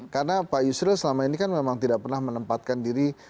karena pak yusril selama ini kan memang tidak pernah menempatkan diri